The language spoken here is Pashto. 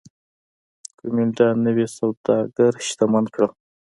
کومېنډا نوي سوداګر شتمن کړل